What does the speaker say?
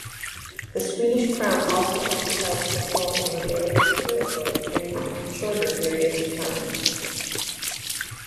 The Swedish Crown also exercised control over various territories during shorter periods of time.